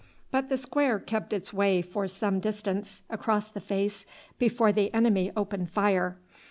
But the square kept its way for some distance across the face before the enemy opened fire.